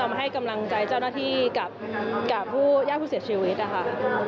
มาให้กำลังใจเจ้าหน้าที่กับผู้ญาติผู้เสียชีวิตนะคะ